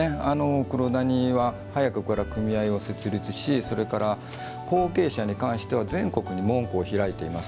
黒谷は早くから組合を設立し後継者に関しては全国に門戸を開いています。